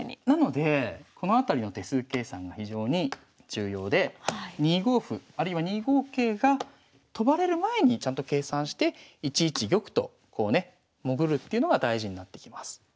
なのでこのあたりの手数計算が非常に重要で２五歩あるいは２五桂が跳ばれる前にちゃんと計算して１一玉とこうね潜るっていうのが大事になってきます。